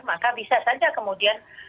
maka bisa saja kemudian